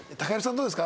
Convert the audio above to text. どうですか？